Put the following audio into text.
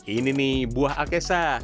ini nih buah alkesa